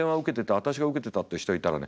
「私が受けてた」って人いたらね